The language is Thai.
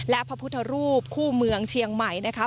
และพระพุทธรูปคู่เมืองเชียงใหม่นะคะ